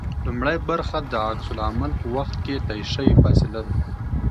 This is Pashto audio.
لومړۍ برخه د عکس العمل په وخت کې طی شوې فاصله ده